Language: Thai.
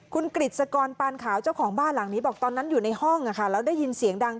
คุณกฤษกรปานขาวเจ้าของบ้านหลังนี้บอกตอนนั้นอยู่ในห้องแล้วได้ยินเสียงดัง